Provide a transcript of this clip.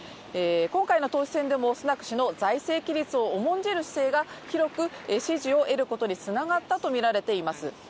今回の党首選でも、スナク氏の財政規律を重んじる姿勢が広く支持を得ることにつながったとみられています。